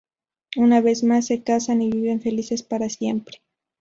Una vez más, se casan y viven felices para siempre.